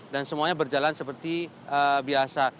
dan semuanya berjalan seperti biasa